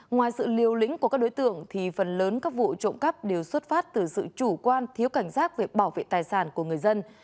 ngoài sự liều lĩnh của các đối tượng thì phần lớn các vụ trộm cắp đều xuất phát từ sự chủ quan thiếu cảnh giác về bảo vệ tài sản của người dân